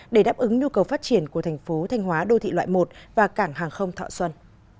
để đáp ứng nhu cầu phát triển của thành phố thanh hóa đô thị loại một và cảng hàng không thọ xuân